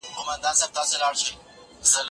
دا مينه له هغه ښکلي ده!.